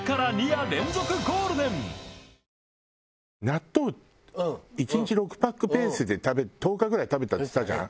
納豆１日６パックペースで１０日ぐらい食べたっつったじゃん？